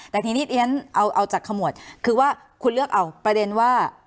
แต่ทีนี้เรียนเอาจากขมวดคือว่าคุณเลือกเอาประเด็นว่า